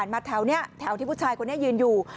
มาแถวนี้แถวที่ผู้ชายคนนี้ยืนอยู่